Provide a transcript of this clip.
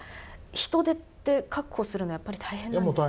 人手って確保するのはやっぱり大変なんですか？